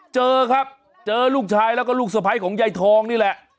เจอครับเจอลูกชายแล้วก็ลูกสะพ้ายของยายทองนี่แหละ